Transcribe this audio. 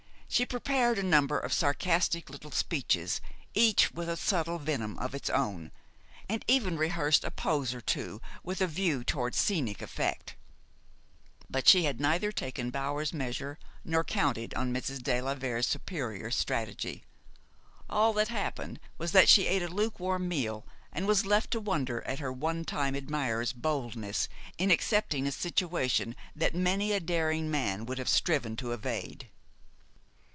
She prepared a number of sarcastic little speeches, each with a subtle venom of its own, and even rehearsed a pose or two with a view toward scenic effect. But she had neither taken Bower's measure nor counted on Mrs. de la Vere's superior strategy. All that happened was that she ate a lukewarm meal, and was left to wonder at her one time admirer's boldness in accepting a situation that many a daring man would have striven to evade.